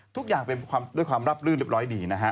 ทุกอย่างด้วยความลับลื่นเรียบร้อยดี